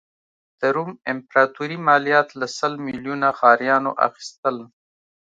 د روم امپراتوري مالیات له سل میلیونه ښاریانو اخیستل.